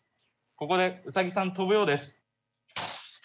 ここでウサギさん跳ぶようです。